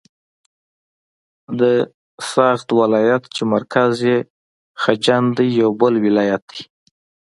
د سغد ولایت چې مرکز یې خجند دی یو بل ولایت دی.